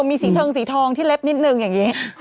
มีสีเทิงสีทองที่เล็บนิดนึงอย่างนี้